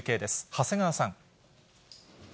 長谷川さん。